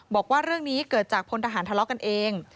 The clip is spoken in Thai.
บอกว่าเรื่องนี้เกิดจากพลทหารทะเลาะกันเอง